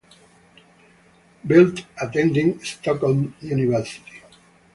Bildt attended Stockholm University.